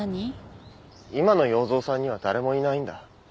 今の要造さんには誰もいないんだ。